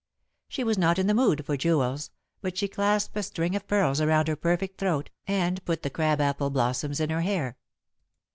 She was not in the mood for jewels, but she clasped a string of pearls around her perfect throat, and put the crab apple blossoms in her hair.